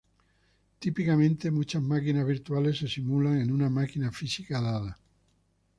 Típicamente muchas máquinas virtuales se simulan en una máquina física dada.